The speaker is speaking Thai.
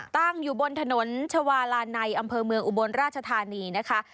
ตั้งอยู่บนถนนชาวาลานัยอำเภอเมืองอุบลราชธานีนะคะ